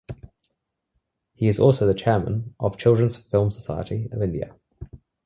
He is also the chairman of Children's Film Society of India.